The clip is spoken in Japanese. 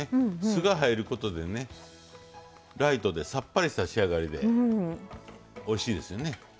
酢が入ることでライトでさっぱりとした仕上がりでおいしいですよね。